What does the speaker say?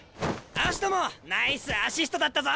葦人もナイスアシストだったぞ！